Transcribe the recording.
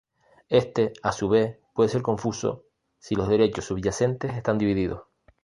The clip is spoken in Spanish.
Este, a su vez, puede ser confuso si los derechos subyacentes están divididos.